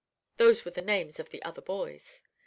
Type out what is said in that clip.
Those were the names of the other boys.